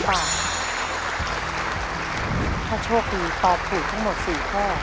ถ้าโชคดีตอบถูกทั้งหมด๔ข้อ